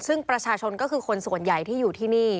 ซึ่งประชาชนก็คือคนส่วนใหญ่ที่อยู่ที่นี่